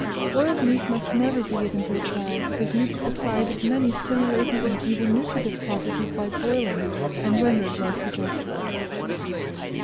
Boiled meat must never be given to the child, because meat is deprived of many stimulating and even nutritive properties by boiling and rendered less digestible.